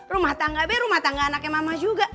rumah tangga be rumah tangga anaknya mama juga